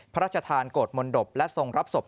พระราชทานโกรธมนตบและทรงรับศพ